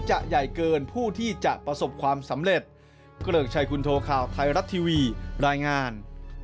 ใหญ่เกินผู้ที่จะประสบความสำเร็จเกริกชัยคุณโทข่าวไทยรัฐทีวีรายงาน